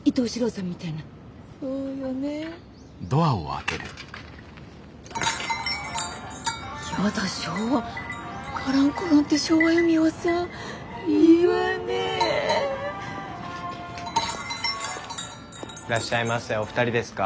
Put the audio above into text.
いらっしゃいませお二人ですか？